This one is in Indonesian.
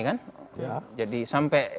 kan jadi sampai